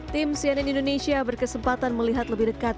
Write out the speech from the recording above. tim cnn indonesia berkesempatan melihat lebih dekat